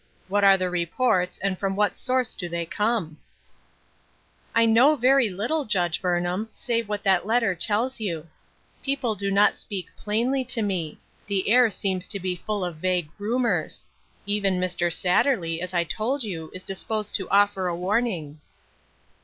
What are the reports, and from what source do they come ?"" I know very little, Judge Burnham, save what that letter tells you ; people do not speak plainly to me ; the air seems to be full of vague rumors ; even Mr. Satterley, as I told you, is disposed to offer a warning."